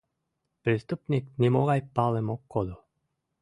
Преступник нимогай палым ок кодо.